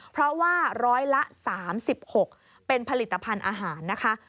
เพราะว่าร้อยละ๓๖เป็นผลิตภัณฑ์อาหารนะคะ